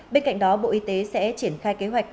bên cạnh đó bộ y tế sẽ triển khai kế hoạch